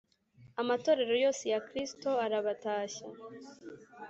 Amatorero yose ya Kristo arabatashya